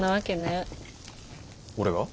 俺が？